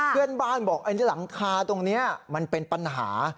เพื่อนบ้านบอกอันนี้หลังคาตรงนี้มันเป็นปัญหา